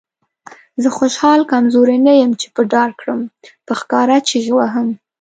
زه خوشحال کمزوری نه یم چې به ډار کړم. په ښکاره چیغې وهم.